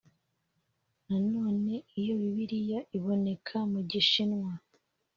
Nanone iyo Bibiliya iboneka mugishinwa